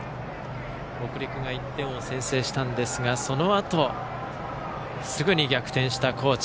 北陸が１点を先制したんですがそのあと、すぐに逆転した高知。